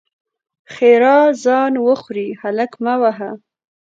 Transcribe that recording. ښېرا: ځان وخورې؛ هلک مه وهه!